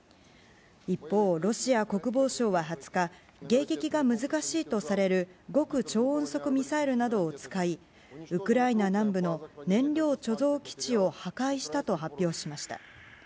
一方、ロシア国防省は２０日迎撃が難しいとされる極超音速ミサイルなどを使いウクライナ南部の燃料貯蔵基地を破壊したと発表しました。